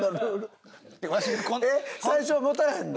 えっ最初持たへんの？